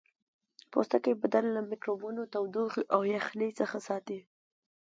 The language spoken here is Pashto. پوستکی بدن له میکروبونو تودوخې او یخنۍ څخه ساتي